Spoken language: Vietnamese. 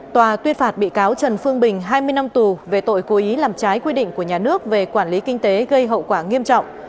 tòa tuyên phạt bị cáo trần phương bình hai mươi năm tù về tội cố ý làm trái quy định của nhà nước về quản lý kinh tế gây hậu quả nghiêm trọng